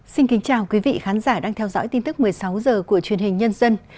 xin kính chào quý vị khán giả đang theo dõi tin tức một mươi sáu h của truyền hình nhân dân